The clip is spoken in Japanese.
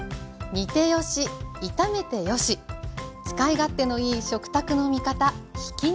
煮てよし炒めてよし使い勝手のいい食卓の味方ひき肉。